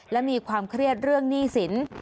และมีความเครียดเรื่องหนี้สิน